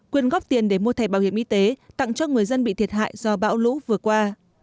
quyền góp tiền để mua thẻ bảo hiểm y tế tặng cho người dân bị thiệt hại do bão lũ vừa qua